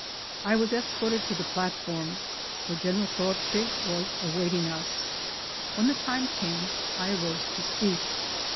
I was escorted to the platform, where General Croce was awaiting us. When the time came, I arose to speak.